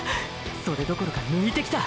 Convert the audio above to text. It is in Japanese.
それどころか抜いてきた！！